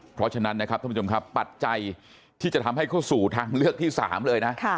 เพราะฉะนั้นนะครับท่านผู้ชมครับปัจจัยที่จะทำให้เข้าสู่ทางเลือกที่๓เลยนะ